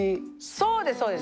そうですそうです。